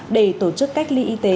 để tổ chức cách ly y tế